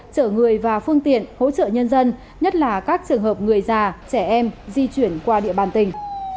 chở người và phương tiện hỗ trợ nhân dân nhất là các trường hợp người già trẻ em di chuyển qua địa bàn tỉnh